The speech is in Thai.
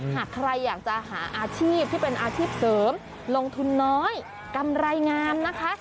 หากใครอยากจะหาอาชีพที่เป็นอาชีพเสริมลงทุนน้อยกำไรงามนะคะ